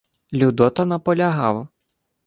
Людота наполягав: